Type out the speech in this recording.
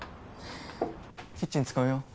キッチン使うよ。